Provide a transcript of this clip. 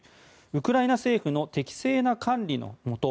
ウクライナ政府の適正な管理のもと